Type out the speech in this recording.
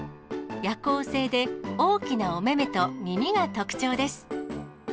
夜行性で大きなおめめと耳が特徴です。